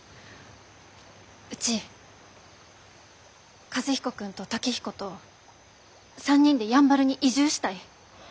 うち和彦君と健彦と３人でやんばるに移住したい。